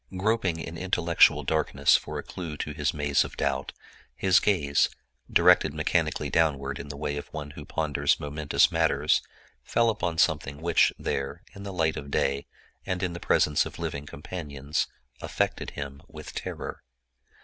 Groping in intellectual darkness for a clew to his maze of doubt, his gaze, directed mechanically downward in the way of one who ponders momentous matters, fell upon something which, there, in the light of day and in the presence of living companions, affected him with terror.